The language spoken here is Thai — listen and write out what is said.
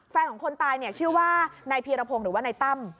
แฟนของคนตายเนี่ยชื่อว่านายพีรพงศ์หรือว่านายตั้ม